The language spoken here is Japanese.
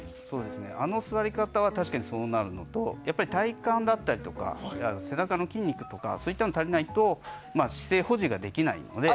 あの座り方は確かにそうなるのと体幹だったりとか背中の筋肉とかそういったものが足りないと姿勢保持ができないので。